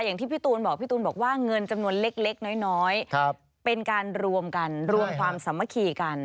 อย่างที่พี่ตูนบอกพี่ตูนบอกว่าเงินจำนวนเล็กน้อยเป็นการรวมกันรวมความสามัคคีกัน